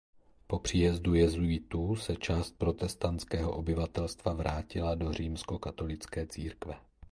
Po příjezdu jezuitů se část protestantského obyvatelstva vrátila do římskokatolické církve.